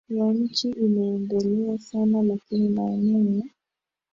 ya nchi imeendelea sana lakini maeneo ya